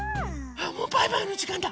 あっもうバイバイのじかんだ！